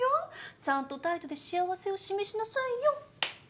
ちゃんと態度で幸せを示しなさいよ。